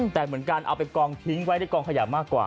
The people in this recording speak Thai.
แต่เหมือนกันเอาไปกองทิ้งไว้ในกองขยะมากกว่า